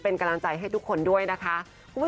เป็นกำลังใจให้ทุกคนด้วยนะคะ